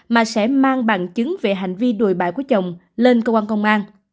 mà sẽ mang bằng chứng về hành vi đùi bại của chồng lên cơ quan công an